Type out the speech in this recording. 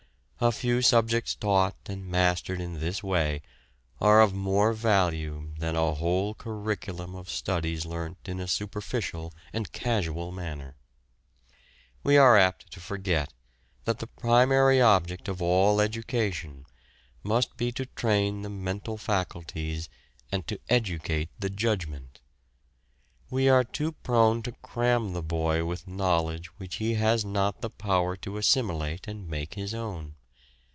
A few subjects taught and mastered in this way are of more value than a whole curriculum of studies learnt in a superficial and casual manner. We are apt to forget that the primary object of all education must be to train the mental faculties and to educate the judgment. We are too prone to cram the boy with knowledge which he has not the power to assimilate and make his own.